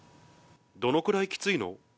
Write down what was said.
どのくらいきついの？